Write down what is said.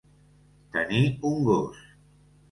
Tenir un gos.